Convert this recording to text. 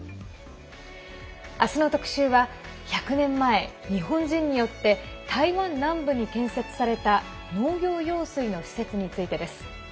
明日の特集は１００年前、日本人によって台湾南部に建設された農業用水の施設についてです。